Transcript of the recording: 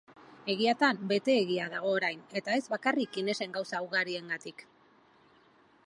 Egiatan, beteegia dago orain, eta ez bakarrik Inesen gauza ugariengatik.